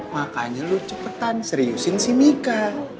makanya lu cepetan seriusin si mika